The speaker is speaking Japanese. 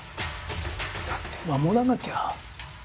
だって守らなきゃ。